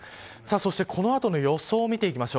そしてこの後の予想を見ていきます。